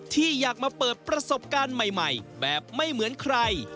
ที่อยากมาเปิดประสบการณ์ใหม่แบบไม่เหมือนใคร